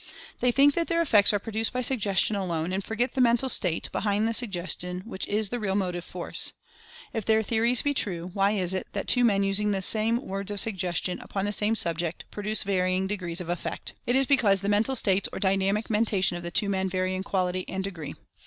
They think that their effects are produced by Suggestion alone, and forget the Mental State behind the Suggestion which is the real motive force. If their theories be true, why is it that two men using the same words of Sug gestion, upon the same subject, produce varying de The Reconciliation 45 grees of effect? It is because the Mental States or Dynamic Mentation of the two men vary in quality and degree.